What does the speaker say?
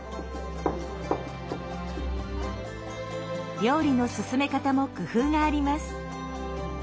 料理の進め方も工夫があります。